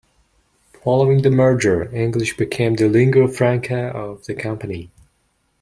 Following the merger, English became the lingua franca of the company.